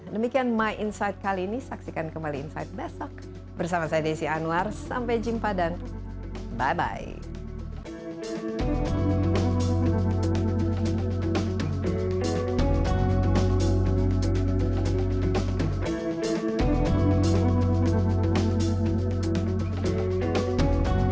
demikian my insight kali ini saksikan kembali insight besok bersama saya desy anwar sampai jumpa dan bye bye